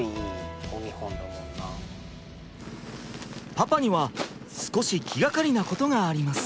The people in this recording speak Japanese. パパには少し気がかりなことがあります。